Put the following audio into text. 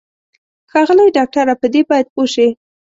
ښاغلی ډاکټره په دې باید پوه شې.